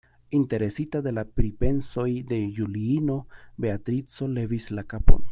Interesita de la pripensoj de Juliino, Beatrico levis la kapon.